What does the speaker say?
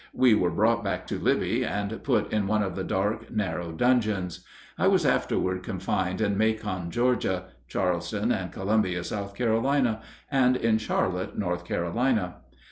We were brought back to Libby, and put in one of the dark, narrow dungeons. I was afterward confined in Macon, Georgia; Charleston and Columbia, South Carolina; and in Charlotte, North Carolina.